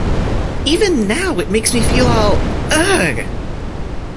Even now it makes me feel all — ugh!